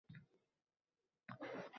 Qanday bo'lmasin maqsading yo'lidan chekinma.